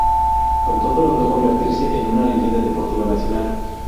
Con todo, logró convertirse en una leyenda deportiva nacional.